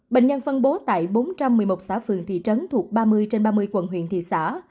bệnh nhân phân bố tại bốn trăm một mươi một xã phường thị trấn thuộc ba mươi trên ba mươi quận huyện thị xã